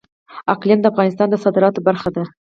اقلیم د افغانستان د صادراتو برخه ده.